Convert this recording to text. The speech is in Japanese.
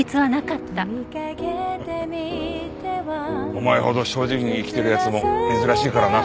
お前ほど正直に生きている奴も珍しいからな。